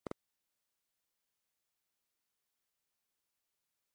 Yari mugufi cyane ku buryo atagera ku nzabibu.